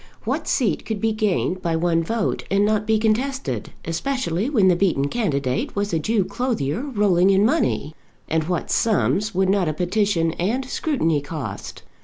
What seat could be gained by one vote and not be contested, especially when the beaten candidate was a Jew clothier rolling in money? And what sums would not a petition and scrutiny cost?